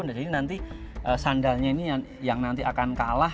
jadi nanti sandalnya ini yang nanti akan kalah